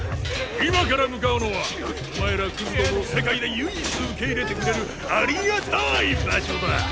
今から向かうのはお前らクズ共を世界で唯一受け入れてくれるありがたい場所だ！